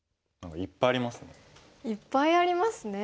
いっぱいありますね。